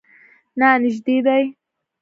نه، نژدې دی